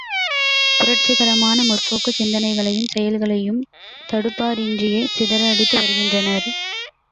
புரட்சிகரமான முற்போக்குச் சிந்தனைகளையும் செயல்களையும் தடுப்பாரின்றியே சிதற அடித்து வருகின்றனர்.